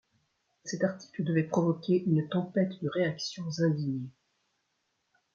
Cet article devait provoquer une tempête de réactions indignées.